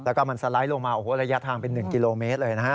แล้วก็มันสไลด์ลงมาโอ้โหระยะทางเป็น๑กิโลเมตรเลยนะฮะ